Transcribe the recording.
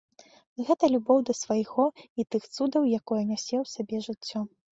Гэта любоў да свайго і тых цудаў, якое нясе ў сабе жыццё.